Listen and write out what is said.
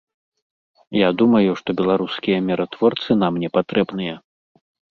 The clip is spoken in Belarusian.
Я думаю, што беларускія міратворцы нам не патрэбныя.